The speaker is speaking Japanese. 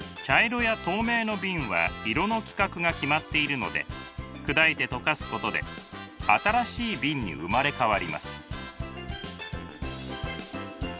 茶色や透明の瓶は色の規格が決まっているので砕いて溶かすことで新しい瓶に生まれ変わります。